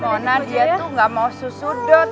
mona dia tuh gak mau sesudut